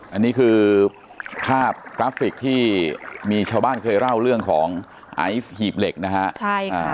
อันนี้คือภาพกราฟิกที่มีชาวบ้านเคยเล่าเรื่องของไอซ์หีบเหล็กนะฮะใช่ค่ะ